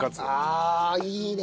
ああいいね！